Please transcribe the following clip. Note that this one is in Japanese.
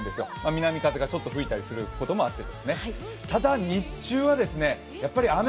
南風がちょっと吹いたりすることもあって。